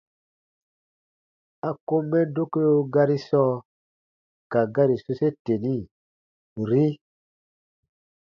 A kom mɛ dokeo gari sɔɔ ka gari sose teni: “-ri”.